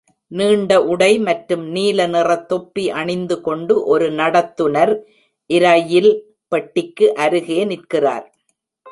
நீண்ட உடை மற்றும் நீலநிற தொப்பி அணிந்துகொண்டு ஒரு நடத்துனர் இரயில் பெட்டிக்கு அருகே நிற்கிறார்.